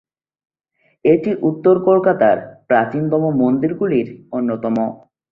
এটি উত্তর কলকাতার প্রাচীনতম মন্দিরগুলির অন্যতম।